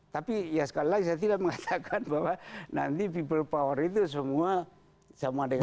tapi ya sekali lagi saya tidak mengatakan bahwa nanti people power itu semua sama dengan